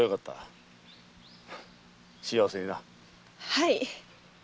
はい！